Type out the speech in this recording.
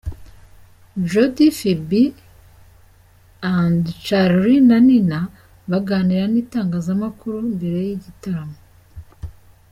Jody Phibi & Charly na Nina baganira n'itangazamakuru mbere y'igitaramo.